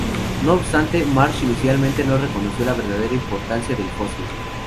No obstante, Marsh inicialmente no reconoció la verdadera importancia del fósil.